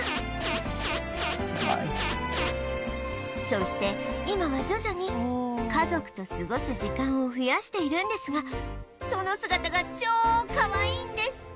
そして今は徐々に家族と過ごす時間を増やしているんですがその姿が超かわいいんです！